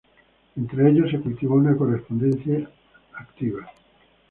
Entre ellos se cultivó una correspondencia activa.